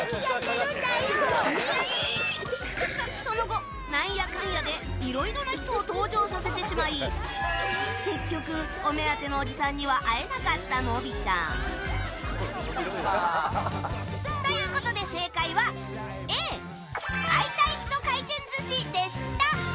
その後、なんやかんやでいろいろな人を登場させてしまい結局、お目当てのおじさんには会えなかった、のび太。ということで正解はＡ会いたいヒト回転寿司でした。